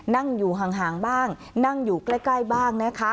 นั่งอยู่ห่างบ้างนั่งอยู่ใกล้บ้างนะคะ